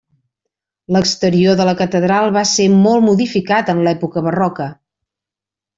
L'exterior de la catedral va ser molt modificat en l'època barroca.